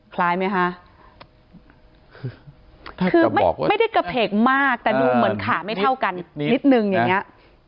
คล้ายไหมคะคือไม่ได้กระเพกมากแต่ดูเหมือนขาไม่เท่ากันนิดนึงอย่างนี้